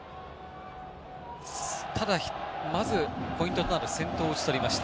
ただまずポイントとなる先頭を打ち取りました。